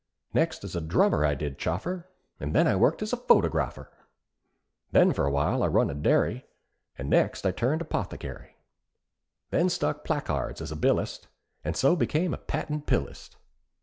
Next as drummer I did chaffer, And then I worked as photográpher. Then for a while I run a dairy, And next I turned apothecäry. Then stuck pla cards as a billist, And so became a patent pill ist.